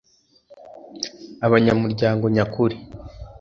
abanyamuryango nyakuri